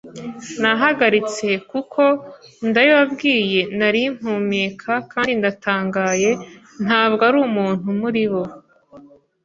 Nahagaritse, kuko, ndabibabwiye, Nari mpumeka, kandi ndatangaye, ntabwo ari umuntu muri bo